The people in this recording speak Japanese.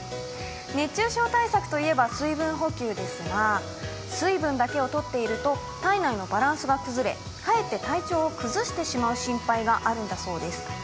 熱中症対策といえば水分補給ですが、水分だけをとっていると、体内のバランスが崩れかえって体調を崩してしまう心配があるんだそうです。